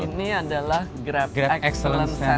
ini adalah grab excellence